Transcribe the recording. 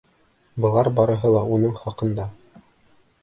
Былар барыһы ла уның хаҡында.